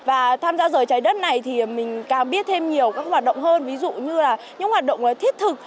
và tham gia giờ trái đất này thì mình càng biết thêm nhiều các hoạt động hơn ví dụ như là những hoạt động thiết thực